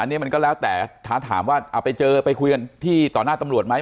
อันนี้มันก็แล้วแต่ท้าถามว่าไปเจอไปคุยกันที่ต่อหน้าตำรวจไหม